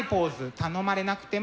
「頼まれなくても」。